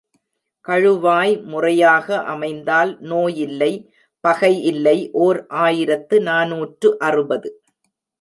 கழுவாய் முறையாக அமைந்தால் நோய் இல்லை பகை இல்லை! ஓர் ஆயிரத்து நாநூற்று அறுபது.